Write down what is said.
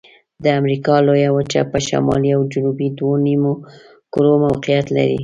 د امریکا لویه وچه په شمالي او جنوبي دوه نیمو کرو کې موقعیت لري.